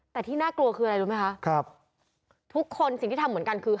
แต่ที่น่ากลัวคืออะไรรู้ไหมคะครับทุกคนสิ่งที่ทำเหมือนกันคือ